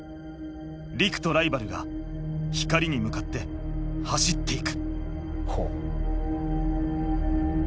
陸とライバルが光に向かって走っていく。